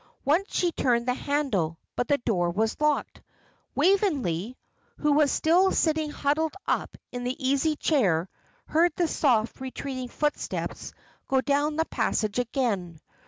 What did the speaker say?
Once she turned the handle, but the door was locked. Waveney, who was still sitting huddled up in the easy chair, heard the soft, retreating footsteps go down the passage again.